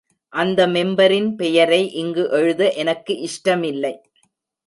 அந்த மெம்பரின் பெயரை இங்கு எழுத எனக்கு இஷ்டமில்லை.